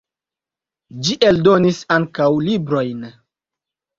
Ĝi eldonis ankaŭ librojn.